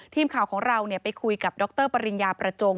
ทีมข่าวของเราไปคุยกับดรปริญญาประจง